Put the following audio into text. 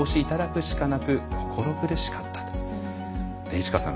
市川さん